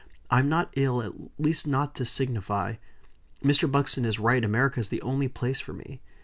"I'm not ill, at least not to signify. Mr. Buxton is right: America is the only place for me.